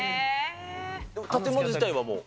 建物自体はもう？